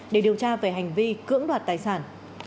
để điều tra về hành vi cưỡng đoạt tài sản